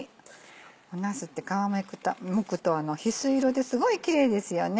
なすって皮むくと翡翠色ですごいキレイですよね。